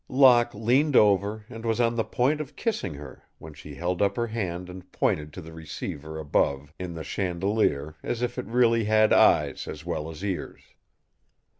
Locke leaned over and was on the point of kissing her when she held up her hand and pointed to the receiver above in the chandelier as if it really had eyes as well as ears.